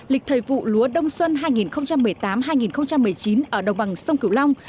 lịch thời vụ lúa đông xuân hai nghìn một mươi tám hai nghìn một mươi chín ở đồng bằng sông cửu long